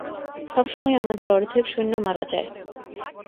সবসময়ই আমাদের অর্ধেক সৈন্য মারা যায়!